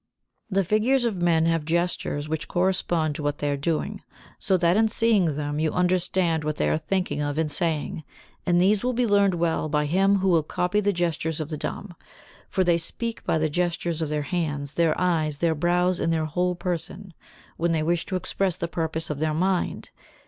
The figures of men have gestures which correspond to what they are doing, so that in seeing them you understand what they are thinking of and saying; and these will be learned well by him who will copy the gestures of the dumb, for they speak by the gestures of their hands, their eyes, their brows and their whole person, when they wish to express the purpose of their mind.